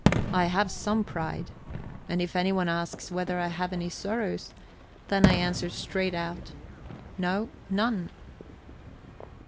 I have some pride. And if anyone asks whether I have any sorrows, then I answer straight out, "No none."